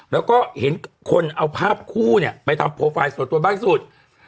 แล้วก็เห็นคนเอาภาพคู่เนี่ยไปทำโปรไฟล์ส่วนตัวบ้างสุด